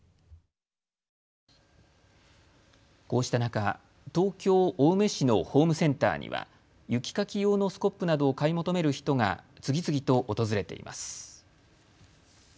こうした中、東京青梅市のホームセンターには雪かき用のスコップなどを買い求める人が次々と訪れています。